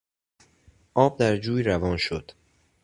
آب در جوی روان شد.